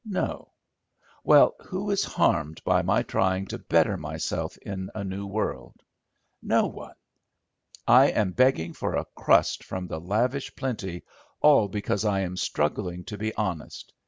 No. Well, who is harmed by my trying to better myself in a new world? No one. I am begging for a crust from the lavish plenty, all because I am struggling to be honest.